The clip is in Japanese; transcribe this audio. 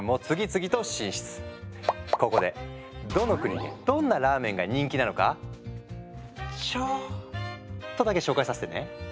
ここでどの国でどんなラーメンが人気なのかちょっとだけ紹介させてね。